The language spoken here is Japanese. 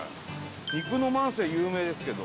肉の万世有名ですけど。